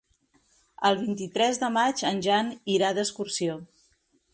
El vint-i-tres de maig en Jan irà d'excursió.